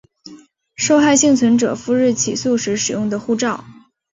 受害幸存者赴日起诉时使用的护照